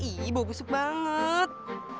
ih bau busuk banget